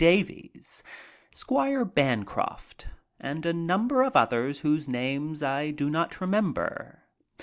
Davies, Squire Bancroft and a number of others whose names I do not remember.